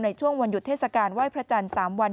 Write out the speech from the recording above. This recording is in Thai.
ในช่วงวันหยุดเทศกาลไหว้พระจันทร์๓วัน